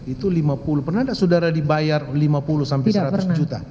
itu lima puluh pernah tidak saudara dibayar lima puluh sampai seratus juta